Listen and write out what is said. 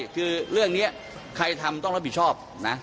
ครับ